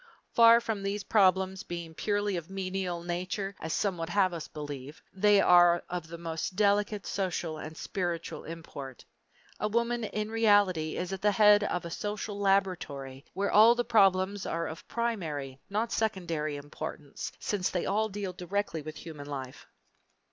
Far from these problems being purely of a menial nature, as some would have us believe, they are of the most delicate social and spiritual import. A woman in reality is at the head of a social laboratory where all the problems are of primary, not secondary, importance, since they all deal directly with human life.